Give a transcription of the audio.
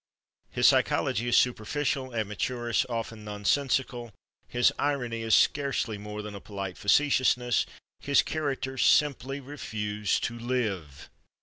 His psychology is superficial, amateurish, often nonsensical; his irony is scarcely more than a polite facetiousness; his characters simply refuse to live.